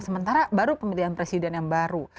sementara baru pemilihan presiden yang baru